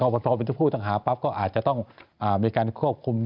พอเป็นผู้ต้องหาปั๊บก็อาจจะต้องมีการควบคุม